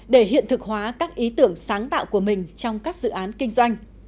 để hiện thực hóa các ý tưởng sáng tạo của mình trong các dự án kinh doanh